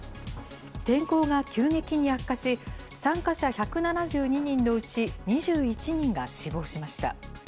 天候が急激に悪化し、参加者１７２人のうち２１人が死亡しました。